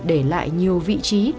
để lại nhiều vị trí